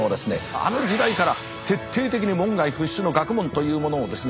あの時代から徹底的に門外不出の学問というものをですね